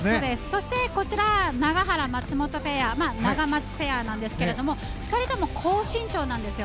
こちら、永原、松本ペアナガマツペアなんですが２人とも高身長なんですよ。